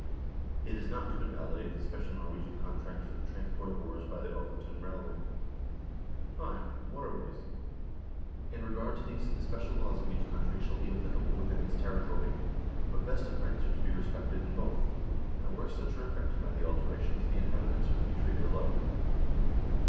It is not to invalidate the special Norwegian contract for the transport of ores by the Ofoten railway. 5. Waterways. In regard to these the special laws of each country shall be applicable within its territory, but vested rights are to be respected in both, and where such are affected by the alterations the inhabitants are to be treated alike.